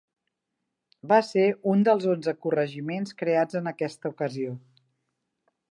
Va ser un dels onze corregiments creats en aquesta ocasió.